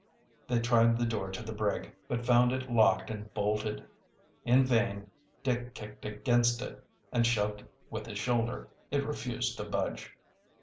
They tried the door to the brig, but found it locked and bolted. In vain Dick kicked against it, and shoved with his shoulder. It refused to budge.